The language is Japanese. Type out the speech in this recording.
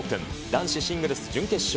男子シングルス準決勝。